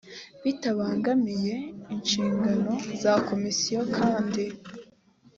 bitabangamiye inshingano za komisiyo kandi